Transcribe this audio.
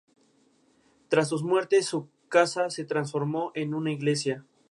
Tras sus muertes, su casa se transformó en una iglesia.